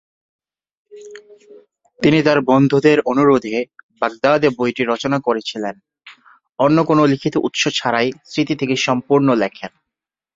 তিনি তাঁর বন্ধুদের অনুরোধে বাগদাদে বইটি রচনা করেছিলেন, অন্য কোনও লিখিত উৎস ছাড়াই স্মৃতি থেকে সম্পূর্ণ লেখেন।